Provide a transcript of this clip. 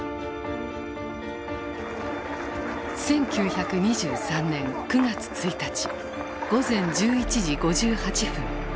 １９２３年９月１日午前１１時５８分。